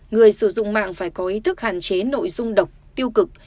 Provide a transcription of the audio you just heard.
người sử dụng mạng phải có ý thức hạn chế nội dung độc tiêu cực